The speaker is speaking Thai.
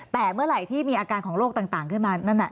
แต่เมื่อไหร่ที่มีอาการของโรคต่างขึ้นมานั่นน่ะ